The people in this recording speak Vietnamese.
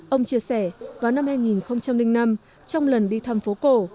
ông chia sẻ vào năm hai nghìn năm trong lần đi thăm phố cổ